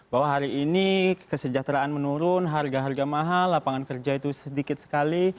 bahwa hari ini kesejahteraan menurun harga harga mahal lapangan kerja itu sedikit sekali